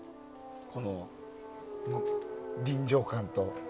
この臨場感と。